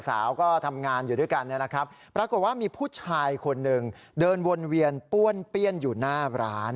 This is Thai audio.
สาวก็ทำงานอยู่ด้วยกันนะครับปรากฏว่ามีผู้ชายคนหนึ่งเดินวนเวียนป้วนเปี้ยนอยู่หน้าร้าน